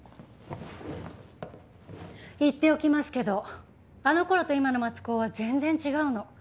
言っておきますけどあの頃と今の松高は全然違うの。